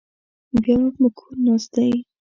بیا هم په کور ناست دی